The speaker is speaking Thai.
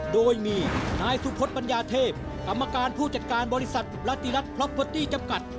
โดยมีนายสุพธปัญญาเทพกรรมการผู้จัดการบริษัทรัติรัฐพล็อปเวตี้จำกัด